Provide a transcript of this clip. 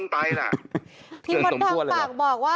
พี่หนุ่ม